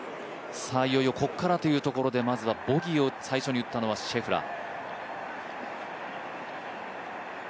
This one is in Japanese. いよいよここからというところで、まずはボギーを最初に打ったのはシェフラー。